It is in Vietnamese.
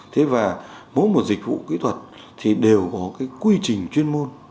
thế và mỗi một dịch vụ kỹ thuật thì đều có cái quy trình chuyên môn